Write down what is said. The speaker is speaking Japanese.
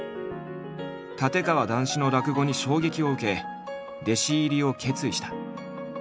立川談志の落語に衝撃を受け弟子入りを決意した。